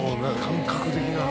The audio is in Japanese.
感覚的な。